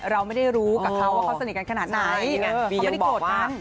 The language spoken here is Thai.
เราไม่ได้รู้กับเขาว่าเขาสนิทกันขนาดไหนเขาไม่ได้โกรธนะ